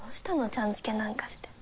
ちゃん付けなんかして。